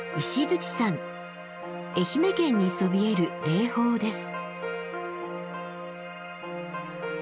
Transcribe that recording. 愛媛県にそびえる霊峰です。